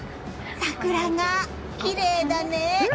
桜がきれいだね。